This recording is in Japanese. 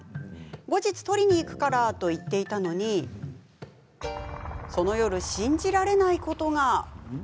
後日、取りに行くからと言っていたのにその夜、信じられないことが。